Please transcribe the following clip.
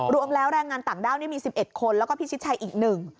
รวมแล้วแรงงานต่างด้าวนี่มี๑๑คนแล้วก็พิชิตชัยอีกหนึ่ง